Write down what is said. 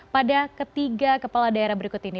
pada ketiga kepala daerah berikut ini